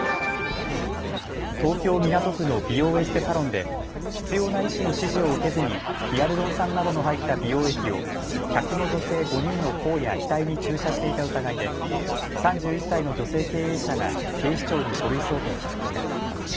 東京港区の美容エステサロンで必要な医師の指示を受けずにヒアルロン酸などの入った美容液を客の女性５人のほおや額に注射していた疑いで３１歳の女性経営者が警視庁に書類送検されました。